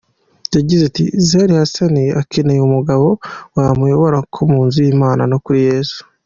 Yagize ati “Zari Hassan akeneye umugabo wamuyobora mu nzu y’Imana no kuri Yesu.